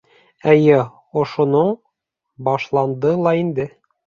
Эйе, ошоноң башланды ла инде.